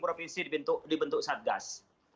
provinsi dibentuk satgas